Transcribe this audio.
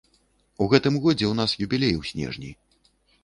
У гэтым годзе ў нас юбілей у снежні.